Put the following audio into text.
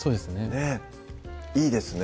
ねっいいですね